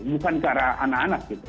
bukan ke arah anak anak gitu